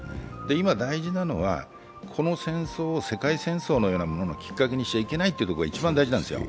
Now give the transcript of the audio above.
今、大事なのはこの戦争を世界戦争のようなもののきっかけにしちゃいけないというのが一番大事なんですよ。